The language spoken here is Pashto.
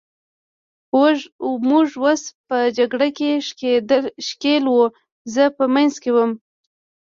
موږ اوس په جګړه کې ښکېل وو، زه په منځ کې وم.